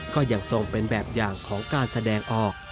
ก็ยังทรงเป็นแบบอย่างของการแสดงออก